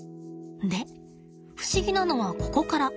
で不思議なのはここから。